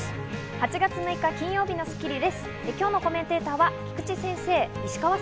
８月６日、金曜日の『スッキリ』です。